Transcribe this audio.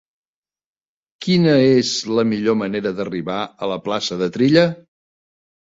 Quina és la millor manera d'arribar a la plaça de Trilla?